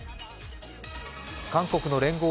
韓国の聯合